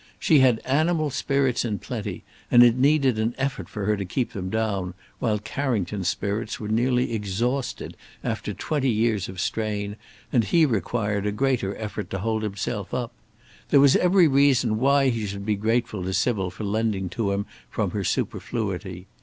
She had animal spirits in plenty, and it needed an effort for her to keep them down, while Carrington's spirits were nearly exhausted after twenty years of strain, and he required a greater effort to hold himself up. There was every reason why he should be grateful to Sybil for lending to him from her superfluity.